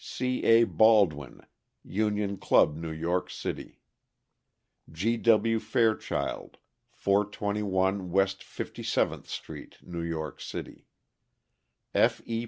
C. A. Baldwin, Union Club, New York City; G» W. Fairchild, 421 West Fifty seventh street, New York City; F. E.